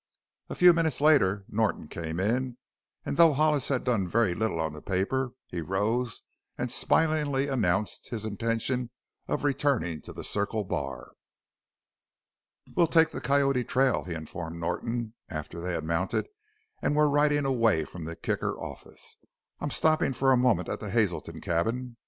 A few minutes later Norton came in, and though Hollis had done very little on the paper he rose and smilingly announced his intention of returning to the Circle Bar. "We'll take the Coyote trail," he informed Norton, after they had mounted and were riding away from the Kicker office; "I'm stopping for a moment at the Hazelton cabin.